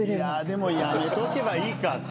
でもやめとけばいいか。